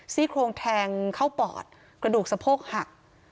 ซี่โครงแทงเข้าปอดกระดูกสะโพกหัก